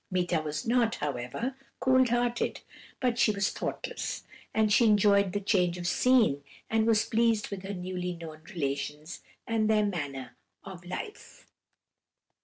Meeta was not, however, cold hearted, but she was thoughtless, and she enjoyed the change of scene, and was pleased with her newly known relations and their manner of life.